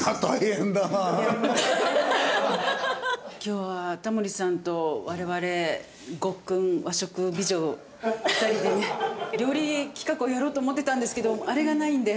今日はタモリさんと我々ごっくん和食美女２人でね料理企画をやろうと思ってたんですけどあれがないので。